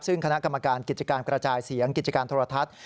ซึ่งคณะกรรมการกิจการกระจายเสียงกิจการโทรทัศน์